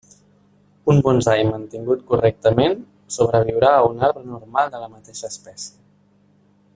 Un bonsai mantingut correctament sobreviurà a un arbre normal de la mateixa espècie.